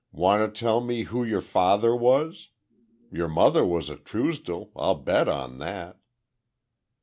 Want to tell me who your father was? Your mother was a Truesdell—I'll bet on that!"